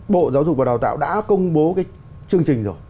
bộ giáo dục và đào tạo đã công bố cái chương trình rồi